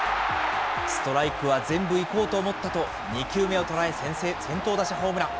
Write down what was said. ストライクは全部いこうと思ったと、２球目を捉え、先頭打者ホームラン。